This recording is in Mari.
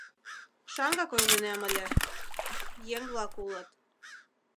Шаҥгак ойлынем ыле... еҥ-влак улыт.